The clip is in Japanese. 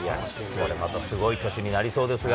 これまた、すごい年になりそうですが。